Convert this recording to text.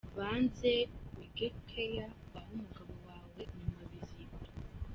Banza wige care waha umugabo wawe nyuma bizikora.